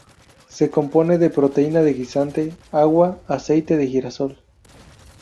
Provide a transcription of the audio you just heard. Se compone de proteína de guisante, agua, aceite de girasol.